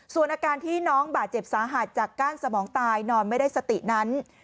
ส่วนอาการที่น้องบาดเจ็บสาหัสจากก้านสมองตายนอนไม่ได้สตินั้น